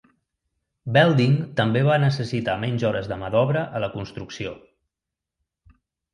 Welding també va necessitar menys hores de mà d'obra a la construcció.